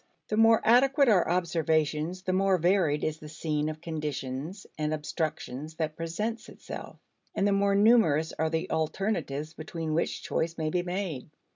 The more adequate our observations, the more varied is the scene of conditions and obstructions that presents itself, and the more numerous are the alternatives between which choice may be made.